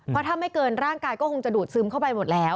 เพราะถ้าไม่เกินร่างกายก็คงจะดูดซึมเข้าไปหมดแล้ว